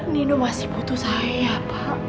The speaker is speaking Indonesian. nino masih butuh saya pak